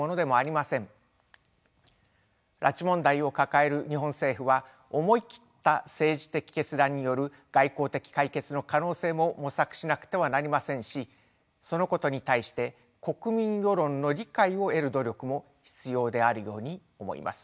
拉致問題を抱える日本政府は思い切った政治的決断による外交的解決の可能性も模索しなくてはなりませんしそのことに対して国民世論の理解を得る努力も必要であるように思います。